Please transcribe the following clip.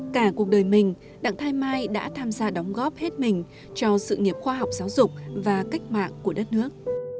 cả cuộc đời mình đặng thái mai đã tham gia đóng góp hết mình cho sự nghiệp khoa học giáo dục và cách mạng của đất nước